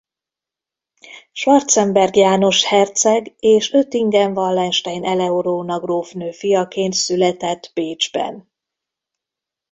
Schwarzenberg János herceg és Oettingen-Wallenstein Eleonóra grófnő fiaként született Bécsben.